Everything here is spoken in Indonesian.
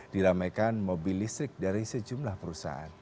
diramaikan mobil listrik dari sejumlah perusahaan